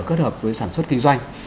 kết hợp với sản xuất kinh doanh